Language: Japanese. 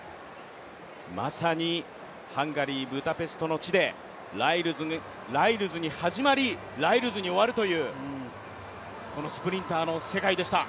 まさにハンガリー・ブダペストの地でライルズに始まり、ライルズに終わるというこのスプリンターの世界でした。